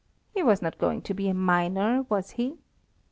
He was not going to be a miner, was he?